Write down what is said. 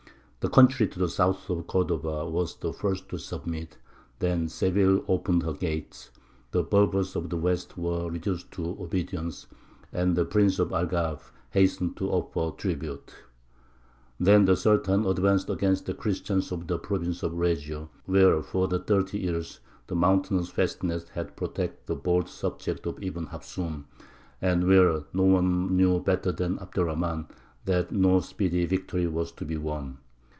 The country to the south of Cordova was the first to submit; then Seville opened her gates; the Berbers of the west were reduced to obedience; and the prince of Algarve hastened to offer tribute. Then the Sultan advanced against the Christians of the province of Regio, where for thirty years the mountain fastnesses had protected the bold subjects of Ibn Hafsūn, and where no one knew better than Abd er Rahmān that no speedy victory was to be won.